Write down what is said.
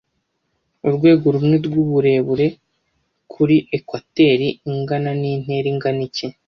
Urwego rumwe rw'uburebure kuri ekwateri ingana nintera ingana iki